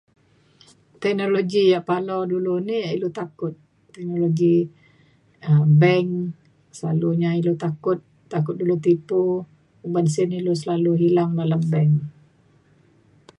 teknologi ia' palo dulu ni ilu takut teknologi um bank selalunya ilu takut takut dulu tipu uban sin ilu selalu hilang dalam bank